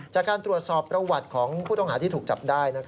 จากการตรวจสอบประวัติของผู้ต้องหาที่ถูกจับได้